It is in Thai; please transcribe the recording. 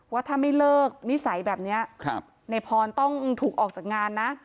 ว่าถ้าไม่เลิกนิสัยแบบนี้ในพรต้องถูกออกจากงานนะ